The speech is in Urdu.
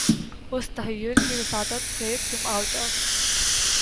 اُس تحیّر کی وساطت سے تُم آؤ جاؤ